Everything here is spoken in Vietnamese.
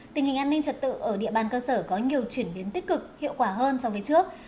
tình hình an ninh trật tự ở địa bàn cơ sở có nhiều chuyển biến tích cực hiệu quả hơn so với trước